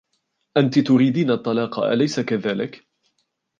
أنتِ تريدين الطلاق, أليس كذلك ؟